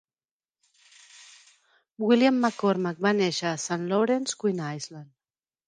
William McCormack va néixer a St Lawrence, Queensland.